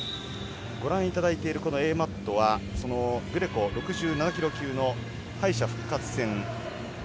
ご覧いただいているＡマットはグレコ６７ｋｇ級の敗者復活戦。